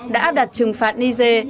đã áp đặt trừng phạt niger